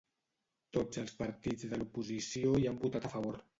Tots els partits de l'oposició hi han votat a favor.